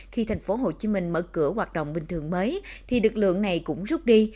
khi tp hcm mở cửa hoạt động bình thường mới thì đực lượng này cũng rút đi